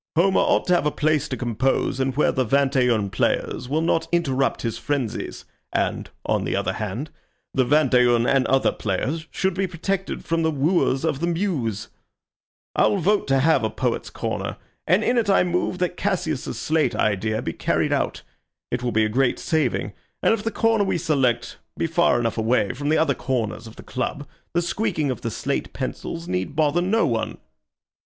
Homer ought to have a place to compose in where the vingt et un players will not interrupt his frenzies, and, on the other hand, the vingt et un and other players should be protected from the wooers of the muse. I'll vote to have the Poets' Corner, and in it I move that Cassius's slate idea be carried out. It will be a great saving, and if the corner we select be far enough away from the other corners of the club, the squeaking of the slate pencils need bother no one."